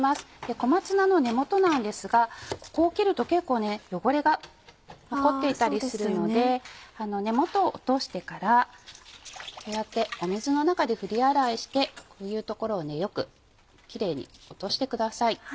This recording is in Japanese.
小松菜の根元なんですがここを切ると結構汚れが残っていたりするので根元を落としてからこうやって水の中で振り洗いしてこういう所をよくキレイに落としてください。